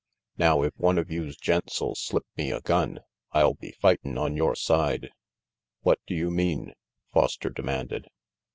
"Now if one of youse gents '11 slip me a gun, I'll be fightin' on your side." "What do you mean?" Foster demanded.